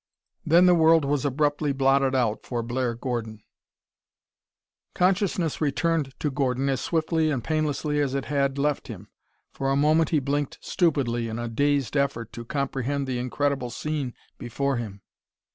Then the world was abruptly blotted out for Blair Gordon. Consciousness returned to Gordon as swiftly and painlessly as it had left him. For a moment he blinked stupidly in a dazed effort to comprehend the incredible scene before him.